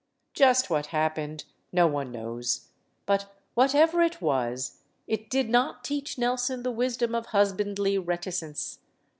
Just what happened no one knows. But whatever it was, it did not teach Nelson the wisdom of husbandly reticence.